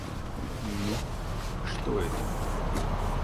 Ну, что это?